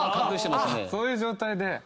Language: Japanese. そういう状態で。